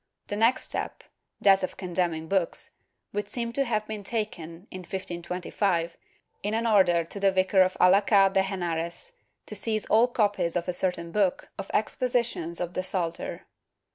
The next step — that of condemning books — would seem to have been taken, in 1525, in an order to the vicar of Alcala de Henares to seize all copies of a certain book of expositions of the Psalter.